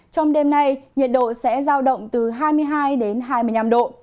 trong đêm nay nhiệt độ sẽ giao động từ hai mươi hai đến hai mươi năm độ